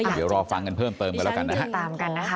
เดี๋ยวรอฟังกันเพิ่มเติมกันแล้วกันนะฮะ